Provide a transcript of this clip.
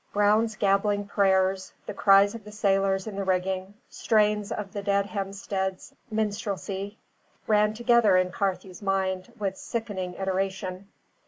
Brown's gabbling prayers, the cries of the sailors in the rigging, strains of the dead Hemstead's minstrelsy, ran together in Carthew's mind, with sickening iteration.